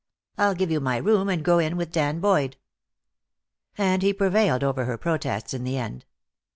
I'll give you my room and go in with Dan Boyd." And he prevailed over her protests, in the end.